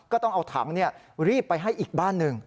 ก็ต้องเอาถังรีบไปให้อีกบ้านหนึ่ง